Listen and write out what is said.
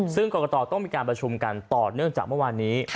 ซึ่งกรกตต้องมีการประชุมกันต่อเนื่องจากเมื่อวานนี้